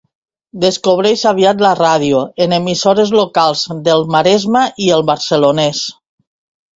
Descobreix aviat la ràdio en emissores locals del Maresme i el Barcelonès.